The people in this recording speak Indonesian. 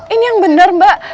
ini yang bener mbak